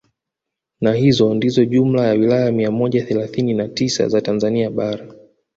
Na hizo ndizo jumla ya wilaya mia moja thelathini na tisa za Tanzania bara